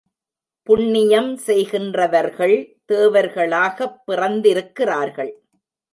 புண்ணியம் செய்கின்றவர்கள் தேவர்களாகப் பிறந்திருக்கிறார்கள்.